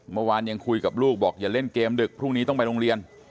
เมื่อวานยังคุยกับลูกบอกอย่าเล่นเกมดึกพรุ่งนี้ต้องไปโรงเรียน